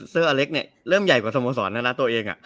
เซอร์เล็กซ์เริ่มใหญ่กว่าสโมสรนั่นละตัวเอง